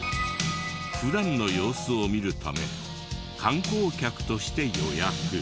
普段の様子を見るため観光客として予約。